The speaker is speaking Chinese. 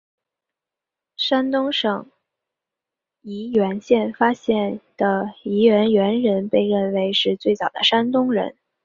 山东省沂源县发现的沂源猿人被认为是最早的山东人。